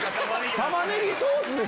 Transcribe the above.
玉ねぎソースです。